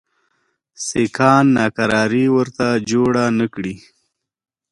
سیکهان ناکراري ورته جوړي نه کړي.